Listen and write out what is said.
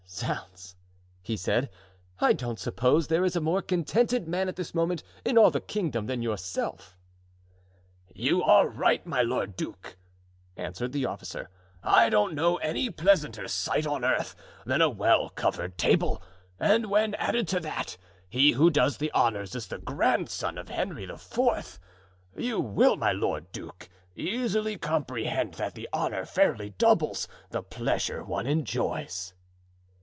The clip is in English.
"Zounds!" he said; "I don't suppose there is a more contented man at this moment in all the kingdom than yourself!" "You are right, my lord duke," answered the officer; "I don't know any pleasanter sight on earth than a well covered table; and when, added to that, he who does the honors is the grandson of Henry IV., you will, my lord duke, easily comprehend that the honor fairly doubles the pleasure one enjoys."